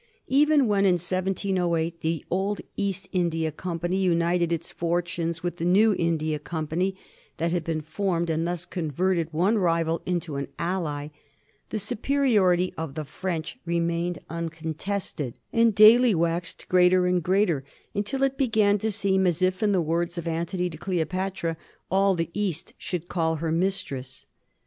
Even when, in 1708, the old East India Company united its fortunes with the new Indian Company that had been formed, and thus converted one rival into an ally, the superiority of the French remained uncontested, and daily waxed greater and greater, until it began to seem as if, in the words of Antony to Cleopatra, all the East should call her mistress.